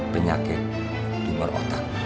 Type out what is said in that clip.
penyakit tumor otak